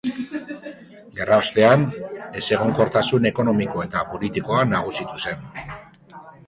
Gerra ostean, ezegonkortasun ekonomiko eta politikoa nagusitu zen.